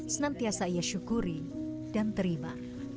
senantiasa ia syukuri dan terima